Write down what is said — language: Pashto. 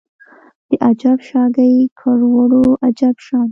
د اجب شاګۍ کروړو عجب شان